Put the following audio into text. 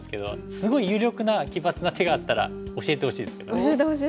すごい有力な奇抜な手があったら教えてほしいですけどそれ使いたい。